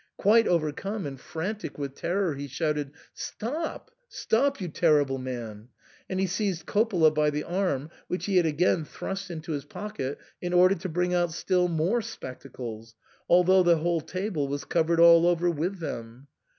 Quite overcome, and frantic with terror, he shouted, " Stop ! stop ! you terrible man !" and he seized Coppola by the arm, which he had again thrust into his pocket in order to bring out still more spectacles, although the whole table was covered all over with them.